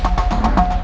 aku kasih tau